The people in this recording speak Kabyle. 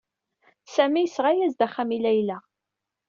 Sami yesɣa-as-d axxam i Layla.